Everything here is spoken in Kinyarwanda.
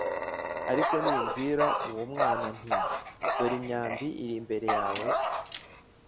Ariko nimbwira uwo mwana nti ‘Dore imyambi iri imbere yawe’